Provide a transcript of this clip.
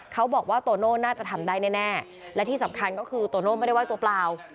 โตโน่น่าจะทำได้แน่และที่สำคัญก็คือโตโน่ไม่ได้ไห้ตัวเปล่า